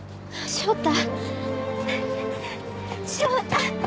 翔太！